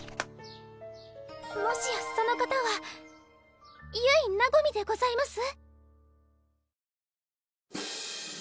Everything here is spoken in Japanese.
もしやその方はユイ・ナゴミでございます？